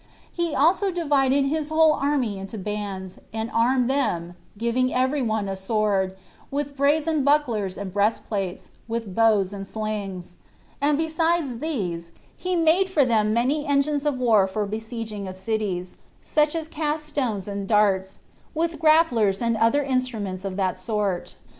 He also divided his whole army into bands, and armed them, giving every one a sword, with brazen bucklers and breastplates, with bows and slings; and besides these, he made for them many engines of war for besieging of cities, such as cast stones and darts, with grapplers, and other instruments of that sort.